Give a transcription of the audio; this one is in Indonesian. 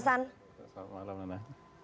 selamat malam nana